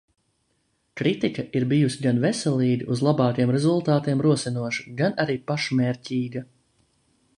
Kritika ir bijusi gan veselīga, uz labākiem rezultātiem rosinoša, gan arī pašmērķīga.